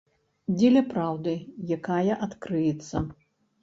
Дзеля праўды, якая адкрыецца.